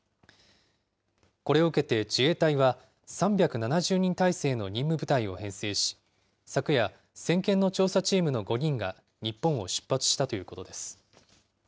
これを受けて自衛隊は３７０人態勢の任務部隊を編成し、昨夜、先遣の調査チームの５人が日本を出発したということです。